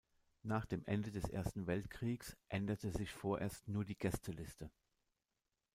Nach dem Ende des Ersten Weltkriegs änderte sich vorerst nur die Gästeliste.